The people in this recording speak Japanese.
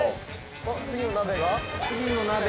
次の鍋が。